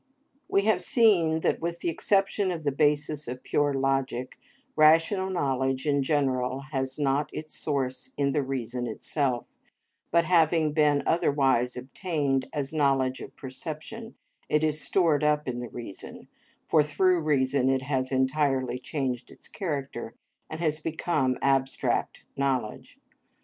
We have seen that, with the exception of the basis of pure logic, rational knowledge in general has not its source in the reason itself; but having been otherwise obtained as knowledge of perception, it is stored up in the reason, for through reason it has entirely changed its character, and has become abstract knowledge.